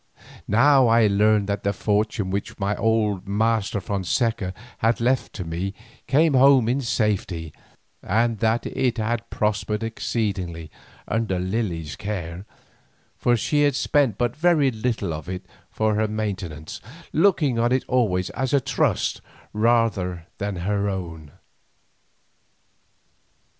Now I learned that the fortune which my old master Fonseca had left to me came home in safety, and that it had prospered exceedingly under Lily's care, for she had spent but very little of it for her maintenance, looking on it always as a trust rather than as her own.